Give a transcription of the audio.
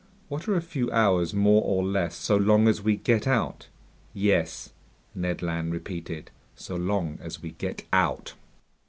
"What are a few hours more or less, so long as we get out." "Yes," Ned Land repeated, "so long as we get out!"